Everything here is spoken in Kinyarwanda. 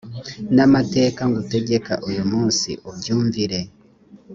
n amateka ngutegeka uyu munsi ubyumvire